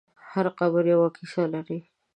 هر قبر یوه کیسه لري.